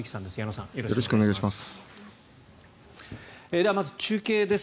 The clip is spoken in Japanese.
では、まず中継です。